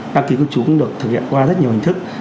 đăng ký cư trú cũng được thực hiện qua rất nhiều hình thức